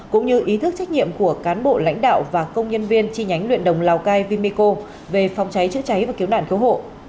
cũng như ý thức trách nhiệm của cán bộ lãnh đạo và công nhân viên chi nhánh luyện đồng lào cai vimeco về phòng cháy chữa cháy và cứu nạn cứu hộ